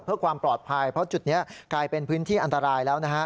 เพื่อความปลอดภัยเพราะจุดนี้กลายเป็นพื้นที่อันตรายแล้วนะฮะ